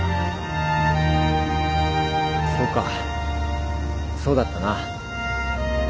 そうかそうだったな。